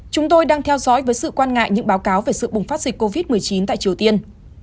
chúng tôi đang theo dõi với sự quan ngại những báo cáo về sự bùng phát dịch covid một mươi chín tại triều tiên